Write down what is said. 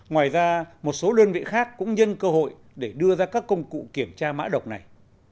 ngoài ra một số đơn vị khác cũng nhân cơ hội để đưa ra các công cụ kiểm tra mã độc này